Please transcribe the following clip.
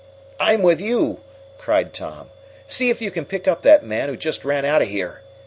"I'm with you!" cried Tom. "See if you can pick up that man who just ran out of here!"